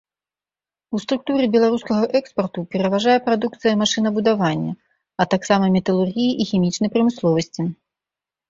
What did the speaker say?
У структуры беларускага экспарту пераважае прадукцыя машынабудавання, а таксама металургіі і хімічнай прамысловасці.